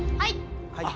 はい。